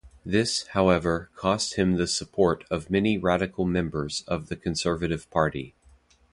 This, however, cost him the support of many radical members of the Conservative Party.